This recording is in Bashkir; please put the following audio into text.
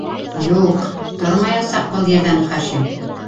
Юҡ, тормаясаҡ был ерҙән Хашим.